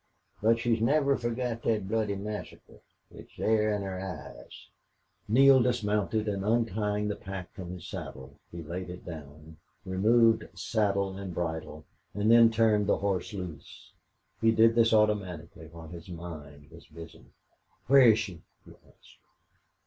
But she's never forgot thet bloody massacre. It's there in her eyes." Neale dismounted, and, untying the pack from his saddle, he laid it down, removed saddle and bridle; then he turned the horse loose. He did this automatically while his mind was busy. "Where is she?" he asked.